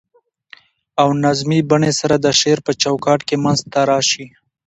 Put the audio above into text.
او نظمي بڼې سره د شعر په چو کاټ کي منځ ته راشي.